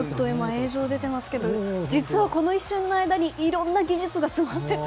映像が出てますが実はこの一瞬の間にいろんな技術が詰まっていた。